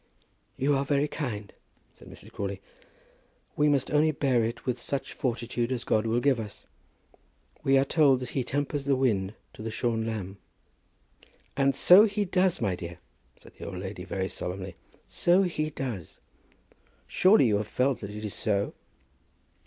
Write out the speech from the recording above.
"You are very kind," said Mrs. Crawley. "We must only bear it with such fortitude as God will give us. We are told that He tempers the wind to the shorn lamb." "And so He does, my dear," said the old lady, very solemnly. "So He does. Surely you have felt that it is so?"